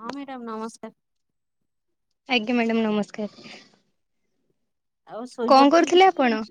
ହଁ ମାଡାମ ନମସ୍କାର [unintelligible] ଆଜ୍ଞା ମ୍ୟାଡ଼ମ୍ ନମସ୍କାର। ଆଉ କଣ ଶୋଇପଡିଥିଲି କରୁଥିଲେ କି ଆପଣ?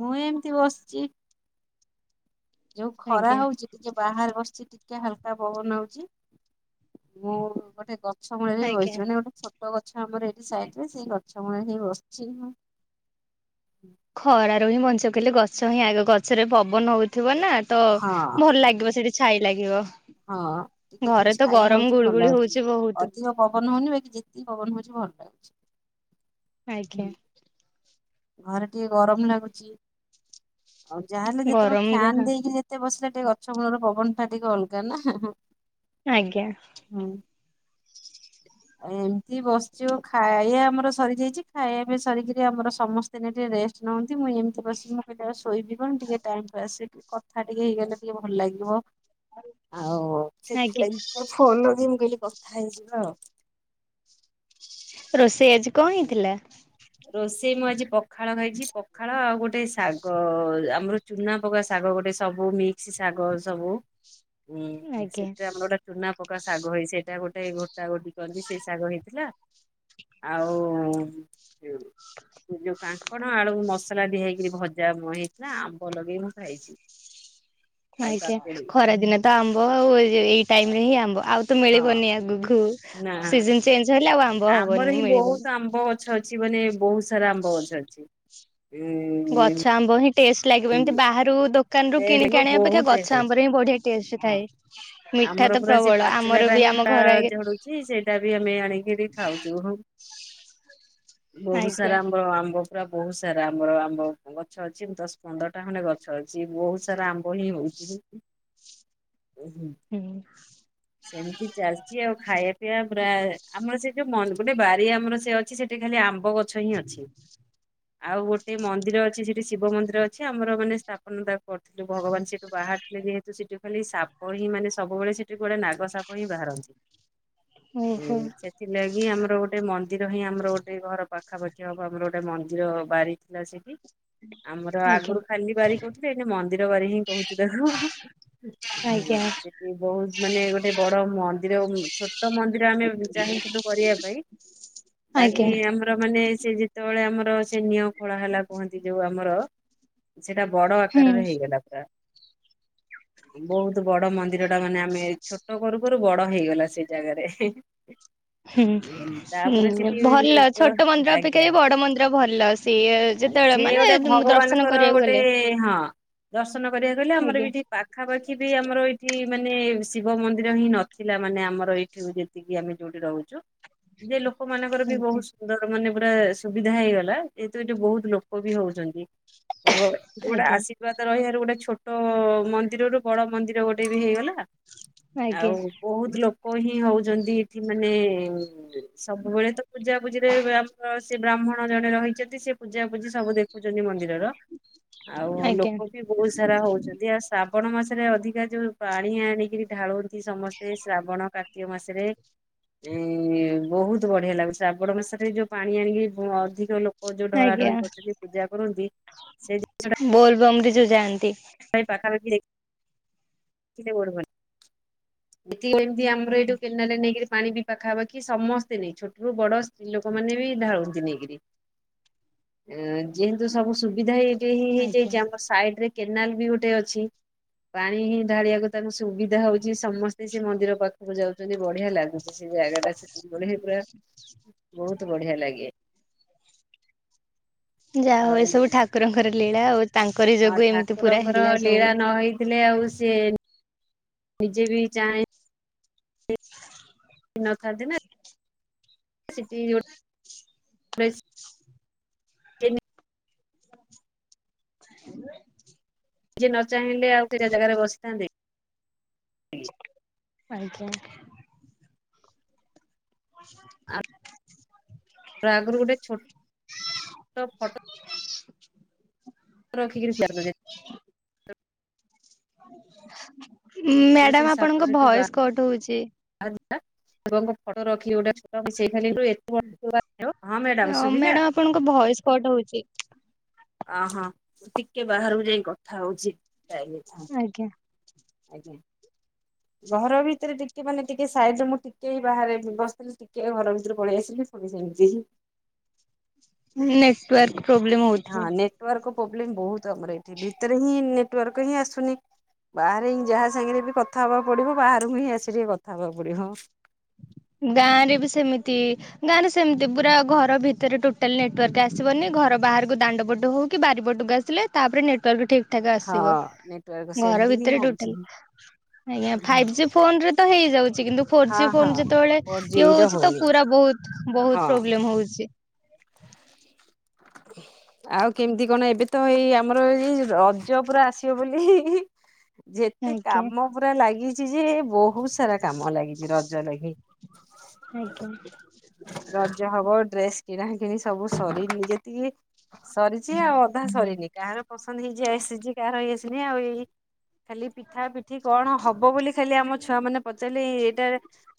ମୁଁ ଏମିତି ବସଚି। ଯୋଉ ଖରା ଆଜ୍ଞା। ହଉଛି ଟିକେ ବାହାରେ ବସିଛିଟି ଟିକେ ହାଲକା ପବନ ହଉଛି। ମୁଁ ଗୋଟେ ଗଛ ମୂଳେରେ ଆଜ୍ଞା। ବଇଛି ମାନେ ଗୋଟେ ଛୋଟ ଗଛ ଆମର ଏଇ ସାଇଟରେ ସେଇ ଗ ଗଛ ମୂଳରେ ବସଛି ମୁଁ ଖରାରୁ ହିଁ ବଞ୍ଚି କହିଲେ ଗଛ ହିଁ ଆଗ ଗଛରେ ପବନ ହଉଥିବ ନା ନା ତୋ ହଁ ଭଲ ଲାଗିବ ସେଠି ଛାଇ ଲାଗିବ ହଁ ଟିକେ ଯୋଉ ଘରେ ତ ଛାଇ ଗରମ ହଉଛି ଭଲ ଗୁଳୁଗୁଳି ଲାଗୁଛି ହଉଛି ବହୁତ ଅଧିକ ପବନ ହଉନି ବାକି ଯେତିକି ପବନ ହଉଛି ଭଲ ଲାଗୁଛି [inaudible] ଆଜ୍ଞା ହୁଁ, ଘରେ ଟିକେ ଗରମ ଲାଗୁଛି ଆଉ ଯାହାହେଲେ ଯେତେବେଳେ ଗରମ ଫ୍ୟାନ ଯାହା ଦେଇକି ଯେତେ ବସିଲେ ଏ ଗଛମୂଳର ପବନଟା ଟିକେ ଅଲଗା ନା ଆଜ୍ଞା ହୁଁ ଏମିତି ବସିଛି ଖାଇବା ଆମର ସରିଯାଇଛି ଖାଇବା ପିଇବା ସରିକିରି ଆମର ସମସ୍ତ ଦିନେ ଟିକେ ରେଷ୍ଟ ନିଅନ୍ତି ମୁଁ ଏମିତି ବସି ମୁ ଭି ଟିକେ ଶୋଇଯିବା ଟିକେ ଟାଇମ ପାସ୍ କଥା ଟିକେ ହେଇଗଲେ ଟିକେ ଭଲ ଲାଗିବ ଆଉ ଆଜ୍ଞା ସେଥିଲାଗି ମୁ ଫୋନ [inaudible] ଖାଇଥିଲ ହ ରୋଷେଇ ଆଜି କଣ ହେଇଥିଲା ରୋଷେଇ ମୁଁ ଆଜି ପଖାଳ ଖାଇଛି ପଖାଳ ଆଉ ଗୋଟେ ଶାଗ ଆମର ଚୁନା ପକା ଶାଗ ଗୋଟେ ସବୁ ମିକ୍ସ ଶାଗ ସବୁ ହଁ ଆଜ୍ଞା ସେଟା ଆମର ଚୁନା ପକା ଶାଗ ହେଇ ସେଇଟା ଗୋଟେ ଘୋଟା ଘୋଟି କଲି ସେ ଶାଗ ହେଇଥିଲା ଆଉ ଯୋଉ କାଙ୍କଣ ଆଳୁ ମସଲା ଦିଆ ହେଇକିରି ଭଜା ହେଇଥିଲା ଆମ୍ବ ଲଗେଇ ମୁଁ ଖାଇଛି ଆଉ ଆଜ୍ଞା କାକୁଡି ଖରାଦିନେ ତ ଆମ୍ବ ଆଉ ଜଉ ଏଇ ଟାଇପ ଦହି ଆମ୍ବ ଆଉ ତ ହଁ ମିଳିବନି ଆଗକୁ ନା ସିଜନ ଚେଞ୍ଜ ହେ ହେଲେ ଆଉ ଆମ୍ବ ଆମର ହିଁ ହବନି ବହୁତ ମିଳିବନି ଆମ୍ବ ଗଛ ଅଛି ମାନେ ବହୁତ ସାରା ଆମ୍ବ ଗଛ ଅଛି ଗଛ ଆମ୍ବ ହିଁ ଟେଷ୍ଟ ଲାଗିବ ଏମିତି ବାହାରୁ ଦ ଟେଷ୍ଟ ବହୁତ ଟେଷ୍ଟ ଅଛି ଟେଷ୍ଟ ହଁ ଥାଏ। ମିଠା ଆମର ତ ପୁରା ସେ ପ୍ରବଳ ଆମର ପାଚିଲାଟା ବି ହି ଆମ ବା ଘର ଆଗେ ଝଡୁଛି ସେଇଟା ବି ଆମେ ଆଣିକିରି ଖାଉଛୁ ହଁ ବହୁତ ଆଜ୍ଞା ସାରା ଆମ୍ବ ଆମ୍ବ ପୁରା ବହୁତ ସାରା ଆମର ଆମ ଗଛ ଅଛି ଦଶ ପନ୍ଦରଟା ଖଣ୍ଡେ ଗଛ ଅଛି ବହୁତ ସାରା ଆମ୍ଭଳି ହଉଛି ଓହୋ ହୁଁ ସେମିତି ଚାଲିଛି ଆଉ ଖାଇବା ପାଇଁ ସେଆ ପୁରା ଆମର ସେ ଯୋଉ ମ ଗୋଟେ ବାରି ଆମର ସେ ଅଛି ସେଠି ଖାଲି ଆମ୍ବ ପବ ଗଛ ହିଁ ଅଛି। ଆଉ ଗୋଟେ ମନ୍ଦିର ଅଛି ସେଠି ଶିବ ମନ୍ଦିର ଅଛି ଆମର ମାନେ କ କରିଥିଲୁ ଭଗବାନ ସେଠୁ ବାହାରିଥିଲେ ଯେହେତୁ ସେଠୁ ଖାଲି ସାପ ହିଁ ମାନେ ସବୁବେଳେ ସେଠି କ ଗୁଟେ ନାଗ ସାପ ହିଁ ବାହାରନ୍ତି ହୁଁ ଓହୋ ସେଥିଲାଗି ଆମର ଆମର ଗୋଟେ ମନ୍ଦିର ହିଁ ଆମର ଗୋଟେ ଘର ପାଖାପାଖିଆ ହବ ଆମର ଗୋଟେ ମନ୍ଦିର ବାରି ଥିଲା ସେଠି ଆମର ଆଜ୍ଞା ଆଗରୁ ଖାଲି ବାରିିକି କଉଥିଲ ଏ ମନ୍ଦିର ବ ହିଁ କହୁଛୁ ତାକୁ ଆଜ୍ଞା ସେଠି ବହୁତ ମାନେ ଗୋଟେ ବଡ ମନ୍ଦିର ଛୋଟ ମନ୍ଦିର ଆମେ ଚାହିଁଥିଲୁ କରିବା ପାଇଁ ବାକି ଆଜ୍ଞା ଆମର ମାନେ ସେ ଯେତେବେଳେ ଆମର ସେ ନିୟ ଫଳା ହେଲା କୁହନ୍ତି ଯୋଉ ଆମର ସେଟା ବଡ ହୁଁ ଆକାରରେ ହେଇଗଲା ପୁରା ବହୁତ ବଡ ମନ୍ଦିର ଟା ମାନେ ଆମେ ଛୋଟ କରୁ କରୁ ବଡ ହେଇଗଲା ସେ ଜାଗାରେ ହୁଁ ତାପରେ ହୁଁ ସେଠି ଭଲ ଛୋଟ ମନ୍ଦିର ଆଜ୍ଞା ଅପେକ୍ଷା ବଡ ମନ୍ଦିର ଭଲ ସିଏ ଯେତେବେଳେ ମାନେ ଦର୍ଶନ କରିବାକୁ ଗଲେ ସେ ହଁ ଦସ୍ କରିବାକୁ କଲେ ଆମର ବି ଆଜ୍ଞା ଏଠି ପାଖାପାଖି ବି ଆମର ଏଇଠି ମାନେ ଶିବ ମନ୍ଦିର ହିଁ ନଥିଲା ମାନେ ଆମର ଏଇଠି ଯେତିକି ଆମେ ଯୋଉଠି ରହୁଛୁ ଯେ ଲୋକ ମାନଙ୍କର ବି ଆଜ୍ଞା ବହୁତ ସୁନ୍ଦର ମାନେ ପୁରା ସୁବିଧା ହେଇଗଲା ଯେେତୁ ଏଠି ବହୁତ ଲୋକ ବି ହଉଛନ୍ତି ହ ହ ଗୋଟେ ଆଜ୍ଞା ଆଶୀର୍ବାଦ ରହିବାରେ ଗୋଟେ ଛୋଟ ମନ୍ଦିରରୁ ବଡ଼ ମନ୍ଦିର ଗୋଟେ ବି ହେଇଗଲା ଆଜ୍ଞା ଆଉ ବହୁତ ଲୋକ ହିଁ ହଉଛି ଏଠି ମାନେ ସବୁବେଳେ ତ ପୂଜା ପୂଜିରେ ଆମର ସେ ବ୍ରାହ୍ମଣ ଜଣେ ରହିଛନ୍ତି ସେ ପୂଜାପୂଜି ସବୁ ଦେଖୁଛନ୍ତି ମନ୍ଦିରର ଆଉ ଆଜ୍ଞା ଲୋକ ବି ବହୁତ ସାରା ହଉଛନ୍ତି ଆଉ ଶ୍ରାବଣ ମାସରେ ଅଧିକା ଯେଉ ପାଣି ଆଣିକରି ଢାଳନ୍ତି ସମସ୍ତେ ଶ୍ରାବଣ କାର୍ତ୍ତିକ ମାସରେ ବହୁତ ବଢ଼ିଆ ଲାଗୁଛି ଶ୍ରାବଣ ମାସରେ ଯେଉଁ ପାଣି ଆଣିକି ଅଧିକ ଲୋକ ଓଉ ଯୋଉ ଡରା ଡରି କରୁଛନ୍ତି ପୂଜା କରନ୍ତି ବହୁତ କୋଲମରେ ଯୋଉ ଯାଆନ୍ତି ଭାଇ ପାଖାପାଖି ଦେଖି କିେ ବରବର ହ ଏମିତି ଆମର ଏଇଠୁ ଆଜ୍ଞା କେନାରେ ନେଇକରି ପାଣି ପାଖାପାଖି ସମସ୍ତେ ନେଇ ଛୋଟରୁୁ ବଡ ସ୍ତ୍ରୀ ଲୋକ ମାନେ ବି ଢାଳନ୍ତି ନେଇକିରି ଅଁ ଯେହେତୁ ସବୁ ସୁବିଧା ହେଇ ହେ ହେ ହେଇଯାଇଛି ଆଜ୍ଞା ଆମ ସାଇଡରେ। କେନାଲ ବି ଗୋଟେ ଅଛି ପାଣି ହିଁ ଢାଳିବାକୁ ତାଙ୍କୁ ସୁବିଧା ହଉଛି ସମସ ତେ ସେ ମନ୍ଦିର ପାଖକୁ ଯାଉଛନ୍ତି ବଢିଆ ଲାଗୁ ସେ ଜାଗାଟା ସେତିକି ବଡ ହିଁ ପୁରା ବହୁତ ବଢିଆ ଲାଗେ। ଯାହା ହଉ ଆଉ ଏ ସବୁ ଠାକୁରଙ୍କର। ଲୀଳା ଆଉ। ତାଙ୍କରି ହଁ ଯୋଗୁ ଏମିତି ପୁରା ଠାକୁରଙ୍କର ହେଲା ସବୁ। ଲୀଳା ନ ହେଇଥିଲେ ଆଉ ସେ। ନିଜେ ବି ଚାହେଁ। ନ ଖାନ୍ତିିନା ସେଠି ଗୋ ବେଶ। ହଁ ନିଜେ ନ ଚାହିଁଲେ ଆଉ କେ ଜା ଜା ଜାଗାରେ ବସିଥାନ୍ତି। ଆଜ୍ଞା। ବ ଆଗରୁ ଗୋଟେ ଛୋ ଟ ଫଟ ରଖିକିରି। [unintelligible] ସେ ମ୍ୟାଡାମ ଆପଣଙ୍କ ଭଏସ କଟ ହଉଛି। ଆ ବଙ୍କ ଫଟୋ ରଖି ଗୋଟେ ଛୋଟ ସେଫାଲି ରୁ ଏ। [inaudible] ଅ ମ୍ୟାଡାମ ଆପଣଙ୍କ ଭଏସ କଟ ହଉଛି। ଅ ହୋ ଟିକେ ବାହାରକୁ ଯାଇଁ କଥା ହଉଛି। ଟାଇମି ଥାନ୍ତ। ଆଜ୍ଞା। ଆଜ୍ଞା ଘର ଭିତରେ ଟିକେ ମାନେ ଟିକେ ସାଇଡରେ ମୁଁ ଟିକେ ଏଇ ବାହାରେ ବ-ବ-ବସିଥିଲି ଟିକେ ଘର ଭିତରୁ ପଳେଇ ଆସିଲି ପୁଣି ସେମିତି ହିଁ। ନେଟୱାର୍କ ପ୍ରୋ ପ୍ରୋବ୍ଲେମ ହଉଥିବ। ପୋବ୍ଲେମ ବହୁତ ଆମର ଏଠି ଭିତରେ ହିଁ ନେଟୱାର୍କ ହିଁ ଆସୁନି ବାହାରେ ହିଁ ଯାହା ସାଙ୍ଗରେ ବି କଥା ହେବାକୁ ପଡିବ ବାହାରକୁ ହିଁ ଆସିକି କଥା ହେବାକୁ ପଡିବ ହଁ। ଗାଁ ରେ ବି ସେମିତି ଗାଁରେ ସେମିତି ପୁରା ଘର ଭିତରେ ଟୋଟାଲ ନେଟୱାର୍କ ଆସିବନି ଘର ବାହାରକୁ ଦାଣ୍ଡ ପଟୁ ହଉ କିି ବାରିପଟକୁ ଆସିଲେ ତାପରେ ନେଟୱାର୍କ ବି ଠି ଠିକ ଠାକ ହଁ ଆସିବ ନେଟୱାର୍କ ଘର ସେମିତି ହିଁ ଭିତରେ ହଉଛି। ଟୋଟାଲ ଆଜ୍ଞା ଫାଇବ ଜି ଫୋନ ରେ ତ ହେଇଯାଉ ଚି କିନ୍ତୁ ଫୋର ହଁ ଜି ହଁ ଫୋନ ଯେତେବେଳେ ଫୋର ଜି ଇଏ ର ହଉଛି ତ ହଉନି। ପୁରା ବହୁତ ହଁ ବହୁତ ପ୍ରୋବ୍ଲେମ ହଉଛି। ଆଉ କେମିତି କଣ ଏବେ ତ ଏଇ ଆମର ଏଇ ରଜ ପୁରା ଆସିବ ବୋଲି। ଯେତେ ଆଜ୍ଞା କାମ ପୁରା ଲାଗି ଚି ଯେ ବହୁତ ସାରା କାମ ଲାଗିଚି ରଜ ଲାଗି। ରଜ ହବ ଡ୍ରେସ ଆଜ୍ଞା। କିଣା କିଣି ସବୁ ଶରୀ ନିଜେ [inaudible] ସରିଛି ଆଉ ଅଧା ସରିନି କାହାର ପସନ୍ଦ ହେଇଛି ଆସିଛି କାହାର ହେଇ ଏହି ଖାଲି ପିଠା ପି ଏଠି କଣ ହବ ବୋଲି ଖାଲି ଆମ ଛୁଆ ମାନେ ପଚାରିଲି ଏଇଟା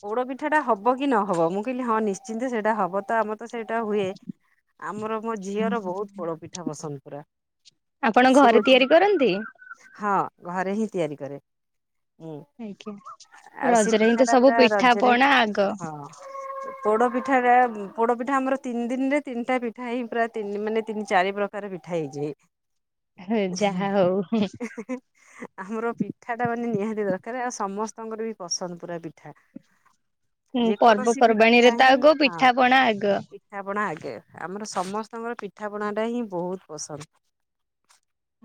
ପୋଡ ପିଠା ଟା ହବ କି ନହବ ମୁଁ କହିଲି ହଁ ନିଶ୍ଚିନ୍ତ ସେଇଟା ହବ ତ ଆମର ତ ସେଇଟା ହୁଏ। ମୋ ଝିଅର ବହୁତ ପୋଡପିଠା ପସନ୍ଦ ପୁରା ଆପଣ ।ସିଏ ଘରେ କଛି ତିଆରି କରନ୍ତି? ହଁ ଘରେ ହିଁ ତିଆରି କରେ। ମୁଁ ଆଜ୍ଞା ଆଉ ସେ ରଜରେ ହିଁ ପିଠା ତ ଟା ସବୁ ପୁରା ପିଠା ପଣା ଆଗ। ପୋଡ଼ପିଠାଟା ପୋଡ଼ପିଠା ଆମର ତିନି ଦିନରେ ତିନିଟା ପିଠା ହେଇ ପୁରା ତିନି ମାନେ ତିନି ଚାରି ପ୍ରକାର ପିଠା ହେଇଛି। ଯାହା ହଉ [inaudible] ଆମର ପିଠା ଟା ମାନେ ନିହାତି ଦର ପାରେ ଆଉ ସମସ୍ତଙ୍କର ବି ପସନ୍ଦ ପୁରା ପିଠା। ହୁଁ ଯେକୌଣସି ପିଠା ପର୍ବପର୍ବାଣୀରେ ତ ହିଁ ଆଗ ହଁ ପିଠା ପଣା ଆଗ। ପିଠାପଣା ଆମର ସମସ୍ତ ତାଙ୍କର। ପିଠାପଣାଟା ହିଁ ବହୁତ ପସନ୍ଦ।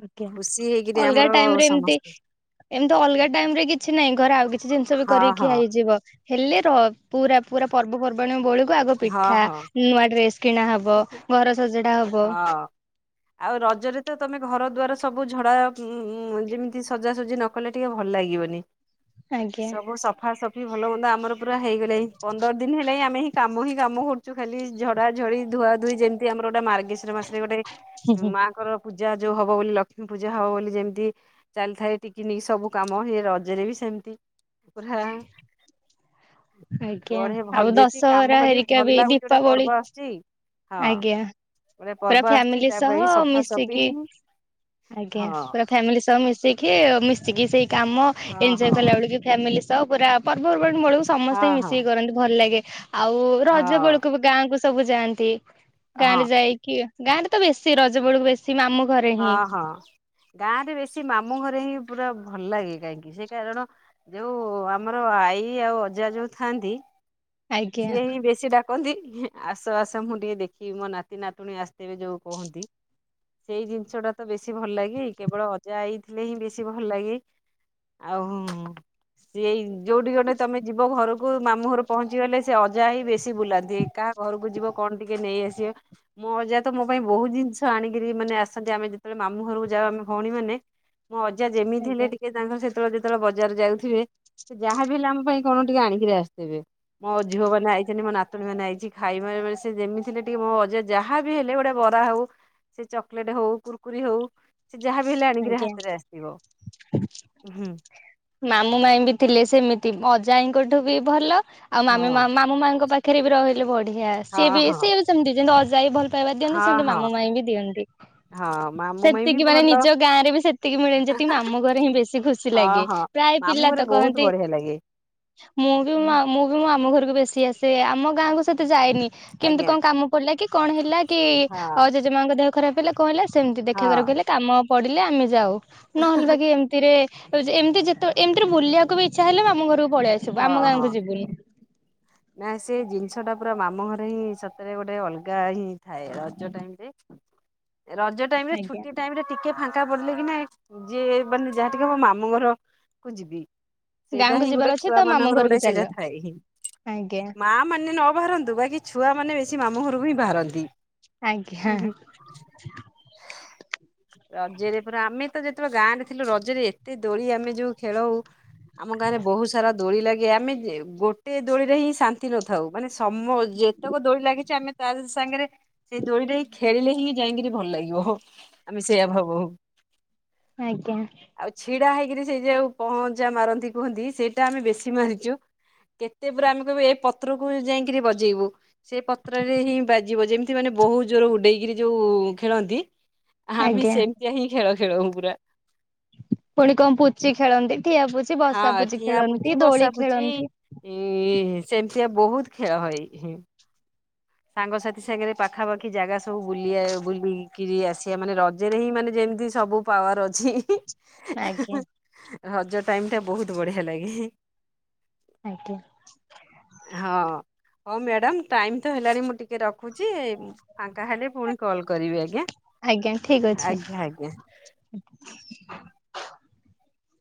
ଆଜ୍ଞା ଖୁସି ହେଇକିରି ଅଲଗା ଆମର ଟାଇମରେ ଏମତି ସମସ୍ତେ ଏମତି ଅଲଗା ଟାଇମରେ କିଛି ନାହିଁ ଘରେ ଆଉ କିଛି କିଛି ଜିନିଷ ବି ହଁ ହଁ କରିକି ହେଇଯିବ। ହେଲେ ପୁରା ପୁରା ୁର୍ବଣୁ ବଳ ଆଗ ହଁ ପିଠା ହଁ। ନୂଆ ଡ୍ରେସ କିଣା ହବ ଘର ସଜଡା ହବ। ହଁ ଆଉ ରଜରେ ତ ତମେ ଘର ଦୁଆର ସବୁ ଝଡା ଉ ଯେମିତି ସଜାସଜି ନ କଲେ ଟିକେ ଭଲ ଲାଗିବନି। ଆଜ୍ଞା ସବୁ ସଫା ସଫା ଭଲ ହୁଅନ୍ତା ଆମର ପୁରା ହେଇଗଲାଣି ପନ୍ଦର ଦିନ ହେଲା ଆମେ କାମ ହିଁ କାମ କରୁଛୁ ଖାଲି ଝଡା ଝଡି ଧୁଆ ଧୁଇ ଯେମିତି ଆମର ଗୋଟେ ମାର୍ଗ ମାର୍ଗଶିର ମାସରେ ଗୋଟେ ମାଙ୍କର ପୂଜା ଯୋଉ ହବ ବୋଲି ଲକ୍ଷ୍ମୀ ପୂଜା ହବ ବୋଲି ଯେମିତି ଚାଲିଥାଏ ଟିକି ନିକି ସବୁ କାମ ଏଇ ରଜରେ ବି ସେମିତି ତାପରେ [inaudible] ଆଜ୍ଞା ଆଉ ଦଶ କାମ କଲେ ଭଲ ଲାଗୁଛି ଗୋଟା ପର୍ବ ଆସୁଛି। ହଁ ଆଜ୍ଞା ଗୋଟେ ପୁରା ପର୍ବ ଆସୁଛି ଫ୍ୟାମିଲି ତା ସହ ପାଇଁ ସଫାସଫି ମିଶିକି ହିଁ। ଆଜ୍ଞା ହଁ ପୁରା ଫ୍ୟାମିଲି ସହ ମିଶିକି ମି ସିକି ସେଇ କାମ ହଁ ଏଞ୍ଜୟ ହଁ କଲା ବଳେକୁ ବି ଫ୍ୟାମିଲି ସ ପୁରା ପର୍ବରୁ ବେଳକୁ ହଁ ସମସ୍ତେ ହଁ ମିଶିକି କରନ୍ତି ଭଲ ଲାଗେ। ଆଉ ରଜ ହଁ ବେଳକୁ ବି ଗାଁକୁ ସବୁ ଯାଆନ୍ତି। ଗାଁରେ ହଁ ଯାଇ ଗାଁରେ ତ ବେଶୀ ରଜ ବେଳକୁ ବେଶୀ ମାମୁଁ ଘରେ ହଁ ହିଁ ହଁ ଗାଁରେ ବେଶି ମା ମୁଁ ଘରେ ହିଁ ପୁରା ଭଲ ଲାଗେ କାହିଁକି ସେ କାରଣ ଯୋଉ ଆମର ଆଈ ଆଉ ଅଜା ଯୋଉ ଥାଆନ୍ତି ଆଜ୍ଞା। ସିଏ ହିଁ ବେଶୀ ଡା କାନ୍ତି ଆସ ଆସ ମୁଁ ଟିକେ ଦେଖିବି ମୋ ନାତି ନାତୁଣୀ ଆସିଥିବେ ଯୋଉ କୁହନ୍ତି। ସେଇ ଜିନିଷ ଟା ତ ବେଶୀ ଭଲ ଲାଗେ କେବଳ ଅଜା ଆଇଥିଲେ ହିଁ ବେଶୀ ଭଲ ଲାଗେ ଆଉ ହୁଁ ସିଏ ଯୋଉଠି ଗଟେ ତମେ ଯିବ ଘର କୁ ମାମୁଁ ଘରକୁ ପହଞ୍ଚିଗଲେ ସେ ସେ ଅଜା ହିଁ ବେଶୀ ବୁଲାନ୍ତି। କାହା ଘରକୁ ଯିବ କଣ ଟିକେ ନେଇ ଆସିବ ମୋ ଅଜା ତ ମୋ ପାଇଁ ବହୁତ ଜିନିଷ ଆଣିକରି ମାନେ ଆସନ୍ତି। ଆମେ ଯେତେବେଳେ ମାମୁଁ ଘରକୁ ଯାଉ ଆମେ ଭଉଣୀ ମାନେ ମୋ ଅଜା ଯେମିତି ହେଲେ ଆଜ୍ଞା ଟିକେ ତାଙ୍କ ସେ ଯେତେବେଳେ ଯେତେବେଳେ ବଜାର ଯାଉଥିବେ ସେ ଯାହା ବି ହେଲେ ଆମ ପାଇଁ କଣ ଟିକେ ଆଣିକିରି ଆସିଥିବେ। ମୋ ଝିଅ ମାନେ ଆଇଛନ୍ତି ମୋ ନାତୁଣୀ ମାନେ ଆଇଛି ଖାଇ ମ ମାନେ ସେ ଯେମିତିଥିଲେ ଟିକେ ମୋ ଅଜା ଯାହାବି ହେଲେ ଗୋଟେ ବରା ହଉ ସେ ଚକୋଲେଟ୍ ହଉ କୁୁରକୁରେ ହଉ ସେ ଯାହାବି ହେଲେ ଆଣିକିରି ଆଜ୍ଞା ହାତରେ ଆସିଥିବ ହୁଁ ମାମୁଁ ମାଇଁ ବି ଥିଲେ ସେମିତି ଅଜା ଆଇଁଙ୍କଠୁ ବି ଭଲ ଆଉ ମି ହଁ। ମା ମାମୁଁ ମାଇଁ ପା ଖିରେ ବି ରହିଲେ ବ ଢିଆ ହଁ ସେବି ହଁ ସେବି ସେମିତି ଅ ଯାଇ ଭଲ ପାଇବ ଦିଅନ୍ତି ହଁ ସେମିତି ହଁ ମାମୁଁ ମାଇଁ ବି ଦିଅନ୍ତି ହଁ ମାମୁଁ ମାଇଁ ବି ସେତିକି ମାନେ ଭଲ ନି ଯୋଉ ଗାଁ ରେ ବି ସେତିକି ମିଳେନ ଯେତିକି ଆମ ଘରେ ହିଁ ବେଶୀ ଖୁସି ହଁ ଲାଗେ। ହଁ ପ୍ରାୟ ମାମୁଁ ପିଲା ତ ଘରେ ବହୁତ କହନ୍ତି ବଢିଆ ଲାଗେ ମୁଁ ବି ହୁଁ, ମୁଁ ବି ଆମ ଘରକୁ ବେଶୀ ଆସେ ଆମ ଗାଁକୁ ସେତେ ଯାଏନି। କେମିତି ଆଜ୍ଞା କଣ କାମ ପଡିଲା କି କଣ ହେଲା କି ଇ ହଁ ଜେଜେମାଙ୍କ ଦେହ ଖରାପ ହେଲେ କଣ ହେଲା ସେ ସେମିତି ଦେଖା ହଁ କରହେଲେ କାମ ପଡ଼ିଲେ ଆମେ ଯାଉ ନହେଲେ ବାକ ଏମିତିରେ ଉ ଏମିତି ଯେେ [inaudible] ଏମତି ବଲିବାକୁ ବି ଇଚା ହେଲେ ମାମୁ ଘକୁ ପଳଆସଛି, ସବୁ ହଁ ଆମ ହଁ ଗାଁକୁ ଯିବୁନି ନା ସେ ଜିନିଷ ଟା ପୁରା ମାମୁ ଘରେ ହିଁ ସତରେ ଗୋଟେ ଅଲଗା ହିଁ ଥାଏ ରଜ ଟାଇମରେ ରଜ ଟାଇମ ରେ ଆଜ୍ଞା ଛୁଟି ଟାଇମ ରେ ଟିକେ ଫାଙ୍କା ପଡିଲେ କି ନା ଯିଏ ମାନେ ଯାହା ଟିକେ ମୋ ମାମୁଁ ଘର କୁ ଯିବି ସେଇଟା ଗାଁକୁ ହିଁ ଯିବାର ଗୋଟେ ଅଛି ତ ଛୁଆ ମାମୁଁ ମାନଙ୍କର ଘରକୁ ଗୋଟେ ଚାଲ ସେଇଟା ଥାଏ ହିଁ ଆଜ୍ଞା ମା ମାନେ ନବାରନ୍ତୁ ବାକି ଛୁଆ ମାନେ କି ମାମୁ ଘରୁ ହିଁ ବାହାରନ୍ତି [inaudible] ଆଜ୍ଞା ରଜରେ ପରା ଆମେ ତ ଯେତେବେଳେ ଗାଁରେ ଥିଲୁ ରଜରେ ଏତେ ଦୋଳି ଆମେ ଯୋଉ ଖେଳଉ ଆମ ଗାଁରେ ବହୁତ ସାରା ଦୋଳି ଲାଗି ଆମେ ଗୋଟେ ଦୋଳିରେ ହିଁ ଶାନ୍ତି ନଥାଉ ମାନେ ସମ ଯେତେକ ଦୋଳି ଲାଗିଛି ଆମେ ତ ସାଙ୍ଗରେ ସେଇ ଦୋଳିଟ ହି ଖେଳିଲେ ହିଁ ଯାଇକିରି ଭଲ ଲାଗିବ ହ ଆମେ ସେଇୟଆ ଭାବଉ ଆଜ୍ଞା ସେ ଯଉ ପହଞ୍ଚା ମାରନ୍ତି କୁହନ୍ତି ସେଇଟା ଆମେ ବେଶି ମାରିଛୁ କେତେ ପୁରା ଆମେ ଏ ପତ୍ରକୁ ଯାଇକିରି ବଜେଇବୁ ସେ ପତ୍ରରେ ହିଁ ବାଜିବ ଯେମିତି ମାନେ ବହୁ ଜୋର ଉଡେଇକିରି ଯୋଉ ଖେଳନ୍ତି। ହଁମେ ଆଜ୍ଞା। ସେମିତି ହିଁ ଖେଳଛ, ସେ ପୁର ପୁଣି କଣ ପୁଚଛିି ଖେଳନ୍ତି। ଠିଆପୁଜି ବସା ହଁ ପୁଜି ଠିଆ ପୁଚି ଖେଳନ୍ତି ବସା ଦୋଳି ପୁଚି ଖେଳନ୍ତି। ଇ ସେମିତିଆ ବହୁତ ଖେଳ ହ [inaudible] ସାଙ୍ଗସାଥି ସାଙ୍ଗରେ ପାଖାପାଖି ଜାଗା ସବୁ ବୁଲି ବୁଲିକିରି ଆସିବା ମାନେ ରଜରେ ହିଁ ମାନେ ଯେମିତି ସବୁ ପାୱାର ଅଛି, ଆଜ୍ଞା ରଜ ଟାଇମ ଟା ବହୁତ ବଢିଆ ଲାଗେ ଆଜ୍ଞା ହଁ ହଉ ମ୍ୟାଡ଼ା ଟାଇମ ତ ହେଲାଣି ମୁଁ ଟିକେ ରଖୁଛି। ଫାଙ୍କା ହେଲେ ପୁଣି କଲ କରିବି ଆଜ୍ଞା ଆଜ୍ଞା ଠିକ ଅଛି। ଆଜ୍ଞା ଆଜ୍ଞା